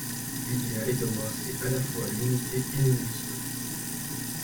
L'idéal est d'embrasser à la fois l'Unité et le multiple.